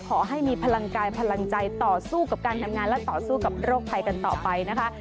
ขอให้มีพลังกายพลังใจต่อสู้กับการทำงานและต่อสู้กับโรคภัยกันต่อไปนะคะ